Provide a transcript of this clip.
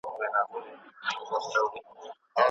د ښځو ملاتړ ټولنه پیاوړې کوي.